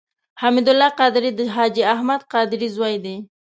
حمید الله قادري د حاجي احمد قادري زوی دی.